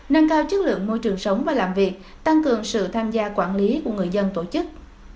nâng cao chất lượng môi trường sống và làm việc tăng cường sự tham gia quản lý của người dân tổ chức